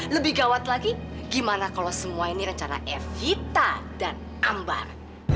lebih gawat lagi gimana kalau semua ini rencana evita dan ambar